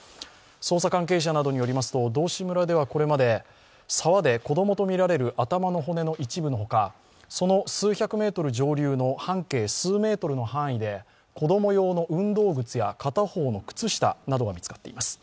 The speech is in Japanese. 捜査関係者などによりますと道志村ではこれまで沢で子供とみられる頭の骨の一部のほかその数百メートル上流の半径数メートルの範囲で子供用の運動靴や片方の靴下などが見つかっています。